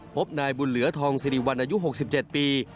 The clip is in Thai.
พบนายบุญเหลือทองสิริวัลอายุ๖๗ปี